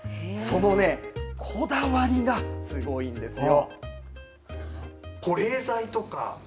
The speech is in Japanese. そのね、こだわりがすごいんですよ。